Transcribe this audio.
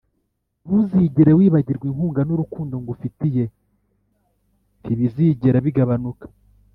ntuzigere wibagirwa, inkunga nurukundo ngufitiye ntibizigera bigabanuka.